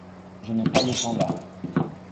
Je n’ai pas le temps là.